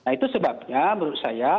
itu sebabnya menurut saya